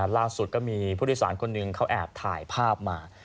ล่าสุดก็มีผู้โดยสารคนหนึ่งเขาแอบถ่ายภาพมา